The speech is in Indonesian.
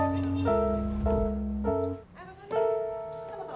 lebih dari itu mah